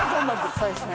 そうですよね。